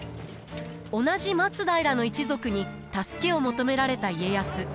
同じ松平の一族に助けを求められた家康。